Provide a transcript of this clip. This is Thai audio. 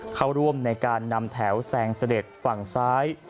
เข้าร่วมในการนำแถวแซงเสด็จฝั่งซ้าย